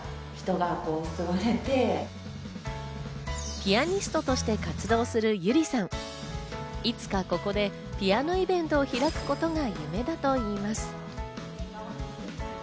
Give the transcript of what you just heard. ピアニストとして活動する友理さん、いつかここでピアノイベントを開くことが夢だといいます。